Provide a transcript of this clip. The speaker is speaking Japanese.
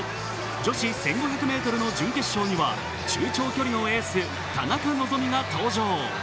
女子１５００ｍの準決勝には中長距離のエース・田中希実が登場。